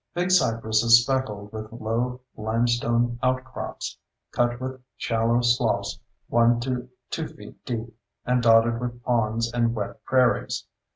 Big Cypress is speckled with low limestone outcrops, cut with shallow sloughs 1 to 2 feet deep, and dotted with ponds and wet prairies.